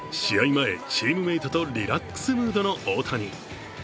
前、チームメイトとリラックスムードの大谷。